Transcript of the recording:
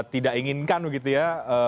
tidak inginkan begitu ya